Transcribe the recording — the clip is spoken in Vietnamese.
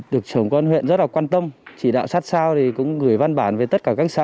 được trưởng con huyện rất là quan tâm chỉ đạo sát sao thì cũng gửi văn bản về tất cả các xã